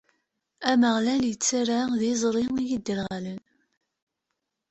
Ameɣlal ittarra-d iẓri i yiderɣalen.